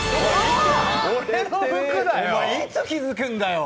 お前、いつ気付くんだよ。